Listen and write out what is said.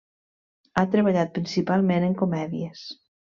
Ha treballat principalment en comèdies.